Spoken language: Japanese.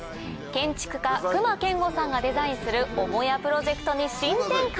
建築家隈研吾さんがデザインする母屋プロジェクトに新展開！